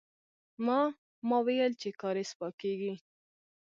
ما، ما ويل چې کارېز پاکيږي.